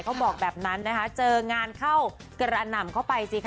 บอกแบบนั้นนะคะเจองานเข้ากระหน่ำเข้าไปสิคะ